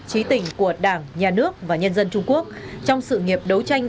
trí tình của đảng nhà nước và nhân dân trung quốc trong sự nghiệp đấu tranh